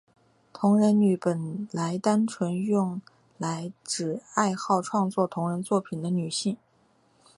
同人女本来单纯用来指爱好创作同人作品的女性。